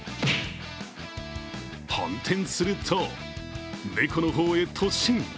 反転すると、猫の方へ突進。